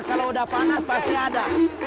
kalau udah panas pasti ada